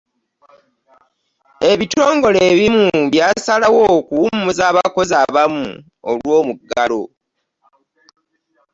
Ebitongole ebimu byasalawo okuwumuza abakozi abamu olw'omuggalo.